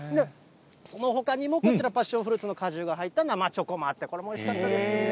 そのほかにもこちら、パッションフルーツの果汁が入った生チョコもあって、これもおいしかったですね。